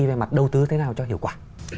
về mặt đầu tư thế nào cho hiệu quả